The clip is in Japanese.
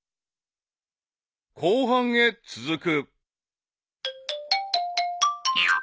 ［後半へ続く］